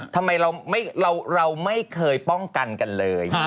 ทำไมเราไม่เคยป้องกันกันเลย